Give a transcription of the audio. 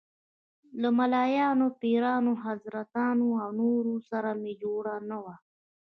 له ملايانو، پیرانو، حضرتانو او نورو سره مې جوړه نه وه.